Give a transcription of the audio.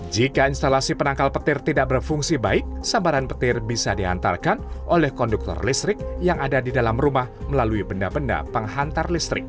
jika instalasi penangkal petir tidak berfungsi baik sambaran petir bisa diantarkan oleh konduktor listrik yang ada di dalam rumah melalui benda benda penghantar listrik